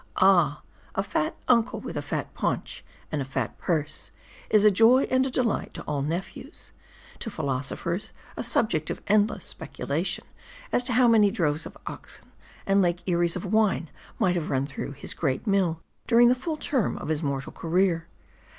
Ah ! a fat uncle, with a fat paunch, and a fat purse, is a joy and a delight to all M A R D L 3U5 nephews ; to philosophers, a subject of endless speculation, as to how many droves of oxen and Lake Eries of wine might have run through his great mill during the full term of his mortal career.